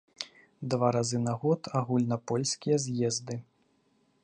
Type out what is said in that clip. Два разы на год агульнапольскія з'езды.